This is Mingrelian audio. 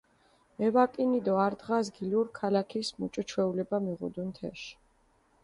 ევაკინი დო ართ დღას გილურქ ქალაქის მუჭო ჩვეულება მიღუდუნ თეში.